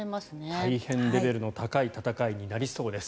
大変レベルの高い戦いになりそうです。